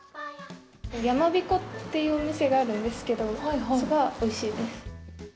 やまびこっていうお店があるんですけどそこがおいしいです。